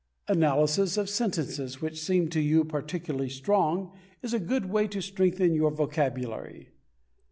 Analysis of sentences which seem to you particularly strong is a good way to strengthen your vocabulary.